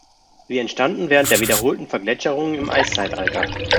Sie entstanden während der wiederholten Vergletscherungen im Eiszeitalter.